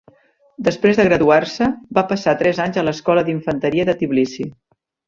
Després de graduar-se, va passar tres anys a l'Escola d'Infanteria de Tbilissi.